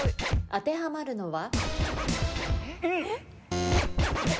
当てはまるのは？